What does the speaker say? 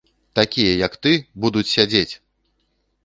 Такія, як ты, будуць сядзець!